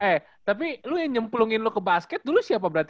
eh tapi lu yang nyemplungin lo ke basket dulu siapa berarti